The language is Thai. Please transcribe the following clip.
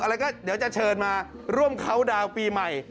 อะไรก็เดี๋ยวจะเชิญมาร่วมเขาดาวน์ปีใหม่